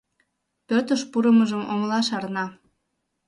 Пӧртыш пурымыжым омыла шарна.